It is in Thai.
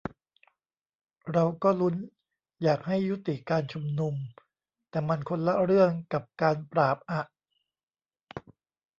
"เราก็ลุ้นอยากให้ยุติการชุมนุม แต่มันคนละเรื่องกับการปราบอะ"